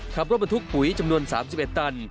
ขับรถบรรทุกปุ๋ยจำนวน๓๑ตัน